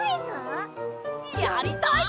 やりたい！